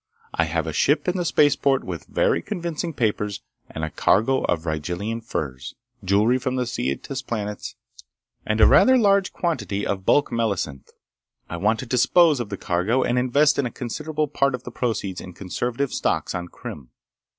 I have a ship in the spaceport with very convincing papers and a cargo of Rigellian furs, jewelry from the Cetis planets, and a rather large quantity of bulk melacynth. I want to dispose of the cargo and invest a considerable part of the proceeds in conservative stocks on Krim."